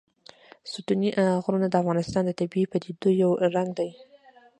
ستوني غرونه د افغانستان د طبیعي پدیدو یو رنګ دی.